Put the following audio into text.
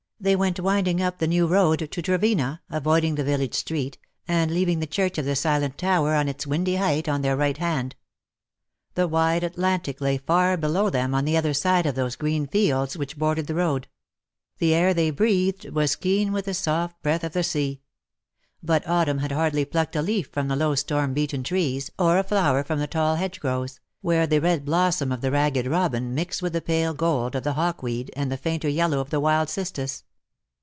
They went winding up the new road to Trevena, avoiding the village street, and leaving the Church of the Silent Tower on its windy height on their right hand. The wide Atlantic lay far below them on the other side of those green fields which bordered the road; the air they breathed was keen with the soft ^^TINTAGEL^ HALF IN SEA, AND HALF ON LAND." 75 breath of the sea. But autumn had hardly plucked a leaf from the low storm beaten trees^ or a flower from the tall hedgerows, where the red blossom of the Ragged Robin mixed with the pale gold of the hawk weed, and the fainter yellow of the wild cistus.